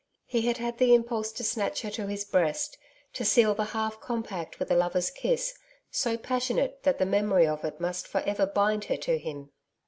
He had had the impulse to snatch her to his breast, to seal the half compact with a lover's kiss, so passionate that the memory of it must for ever bind her to him.